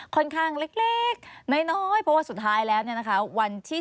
ค่อนข้างเล็กน้อยเพราะว่าสุดท้ายแล้วเนี่ยนะคะวันที่